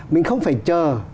mình không phải chờ